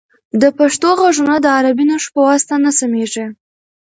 د پښتو غږونه د عربي نښو په واسطه نه سمیږي.